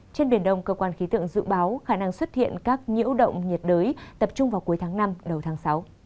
trên biển đông cơ quan khí tượng dự báo khả năng xuất hiện các nhiễu động nhiệt đới tập trung vào cuối tháng năm đầu tháng sáu